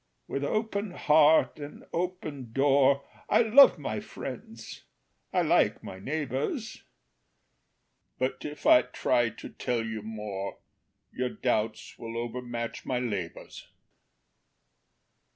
With open heart and open door, I love my friends, I like my neighbors; But if I try to tell you more, Your doubts will overmatch my labors.